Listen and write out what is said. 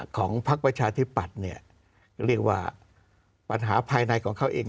ของภักดิ์ประชาธิบัติเนี่ยก็เรียกว่าปัญหาภายในของเขาเอง